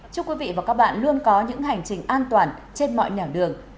chúc quý vị và các bạn luôn có những hành trình an toàn trên mọi nẻo đường